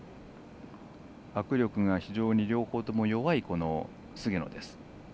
握力が非常に両方とも弱い菅野。